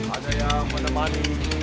ada yang menemani